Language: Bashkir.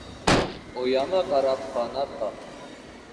Ояңа ҡарап ҡанат ҡаҡ